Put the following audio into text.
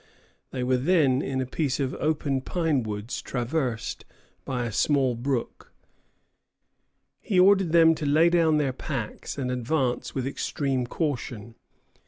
They were then in a piece of open pine woods traversed by a small brook. He ordered them to lay down their packs and advance with extreme caution.